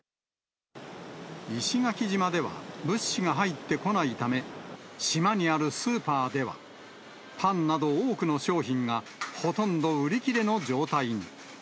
石垣島では物資が入ってこないため、島にあるスーパーでは、パンなど、多くの商品が、ほとんど売り切れの状態に。